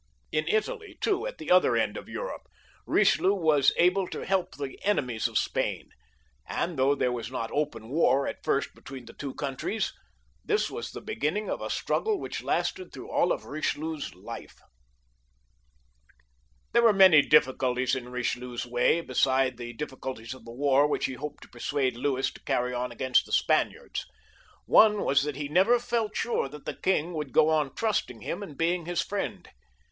In Italy too, at the other end of Europe, Bichelieu was able to help the enemies of Spain, and though there was not open war at first between the two countries, this was the beginning of a struggle which lasted all through Eichelieu's life. There were many difficulties in Bichelieu's way besides the difficulties of the war which he hoped to persuade Louis to carry on axrainst the Spaniards. One was that he never fXL tTuxe king would go on trusting him and being his fiiend.